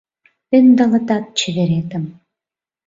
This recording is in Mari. Ӧндалатат чеверетым